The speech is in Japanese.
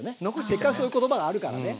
せっかくそういう言葉があるからね。